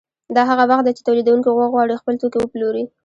دا هغه وخت دی چې تولیدونکي وغواړي خپل توکي وپلوري